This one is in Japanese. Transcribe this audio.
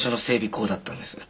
工だったんです。